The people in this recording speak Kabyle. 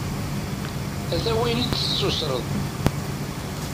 Ata wayen i d-tessutreḍ.